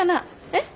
えっ？